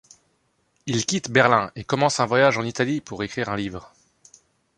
Il quitte Berlin et commence un voyage en Italie pour écrire un livre.